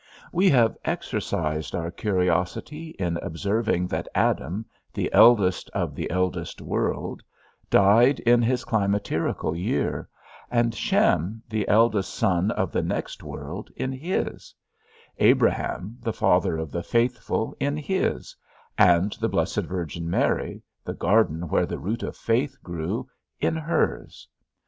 We have exercised our curiosity in observing that Adam, the eldest of the eldest world, died in his climacterical year, and Shem, the eldest son of the next world, in his; Abraham, the father of the faithful, in his, and the blessed Virgin Mary, the garden where the root of faith grew, in hers.